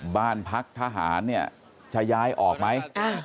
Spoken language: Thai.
บ้านพักทหารเนี่ยจะย้ายออกไหม